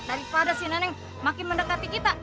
daripada si nenek makin mendekati kita